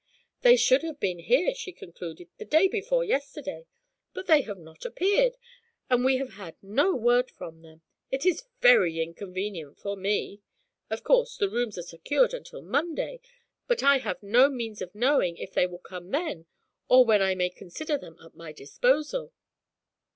'They should have been here,' she concluded, 'the day before yesterday, but they have not appeared, and we have had no word from them. It is very inconvenient for me. Of course, the rooms are secured until Monday, but I have no means of knowing if they will come then; or when I may consider them at my disposal.'